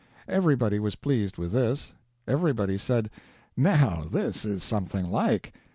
Everybody was pleased with this; everybody said, "Now this is something like."